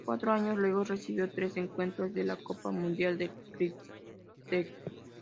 Cuatro años luego recibió tres encuentros de la Copa Mundial de Críquet.